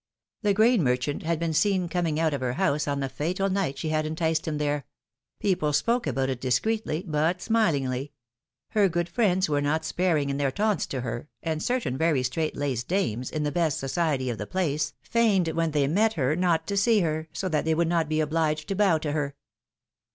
The grain merchant had been seen coming out of her house on the fatal night she had enticed him there; people spoke about it discreetly, but smilingly; her good friends were not sparing in their taunts to her, and certain very straight laced dames, in the best society of the place, feigned when they met her not to see her, so that they would not be obliged to bow to her.